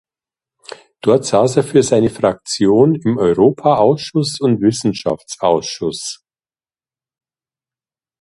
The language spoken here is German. Dort saß er für seine Fraktion im Europaausschuss und Wissenschaftsausschuss.